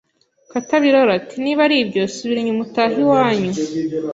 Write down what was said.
Katabirora ati niba ari ibyo subira inyuma utahe iwanyu.